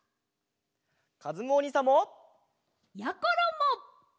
かずむおにいさんも！やころも！